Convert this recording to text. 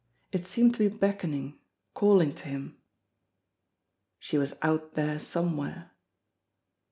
It seemed to be beckoning, calling to him. She was out there somewhere.